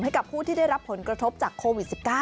ให้กับผู้ที่ได้รับผลกระทบจากโควิด๑๙